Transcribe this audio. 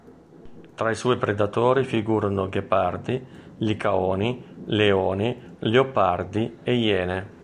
Tra i suoi predatori figurano ghepardi, licaoni, leoni, leopardi e iene.